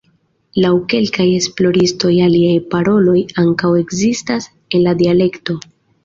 Laŭ kelkaj esploristoj aliaj paroloj ankaŭ ekzistas en la dialekto.